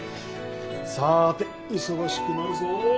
さて忙しくなるぞ。